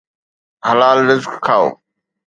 حلال رزق کائو